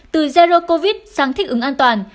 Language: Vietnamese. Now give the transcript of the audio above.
từ zero covid sang thích ứng an toàn